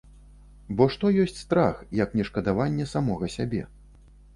Бо што ёсць страх, як не шкадаванне самога сябе?